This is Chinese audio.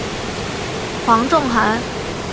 黄仲涵。